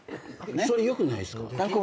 それよくないっすか？